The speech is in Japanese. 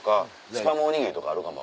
スパムおにぎりとかあるかも。